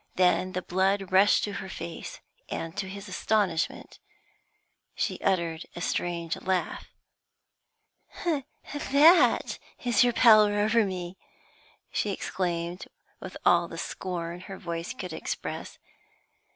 Then the blood rushed to her face, and, to his astonishment, she uttered a strange laugh. 'That is your power over me!' she exclaimed, with all the scorn her voice could express.